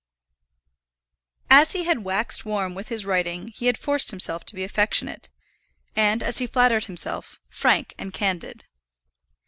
As he had waxed warm with his writing he had forced himself to be affectionate, and, as he flattered himself, frank and candid.